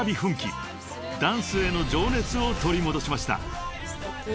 ［ダンスへの情熱を取り戻しました］